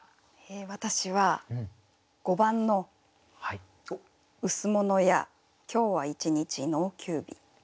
私は５番の「羅や今日は一日農休日」。